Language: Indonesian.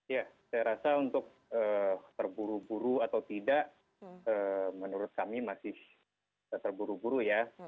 ya saya rasa untuk terburu buru atau tidak menurut kami masih terburu buru ya